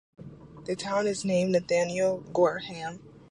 The town is named after Nathaniel Gorham.